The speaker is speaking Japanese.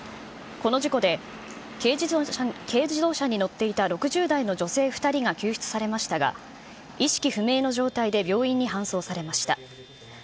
この事故で、軽自動車に乗っていた６０代の女性２人が救出されましたが、意識不明の状態で病院に搬送されました。